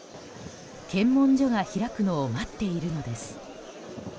検問所が開くのを待っているのです。